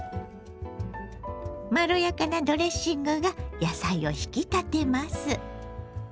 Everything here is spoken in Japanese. まろやかなドレッシングが野菜を引き立てます。